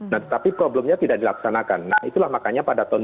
nah tetapi problemnya tidak dilaksanakan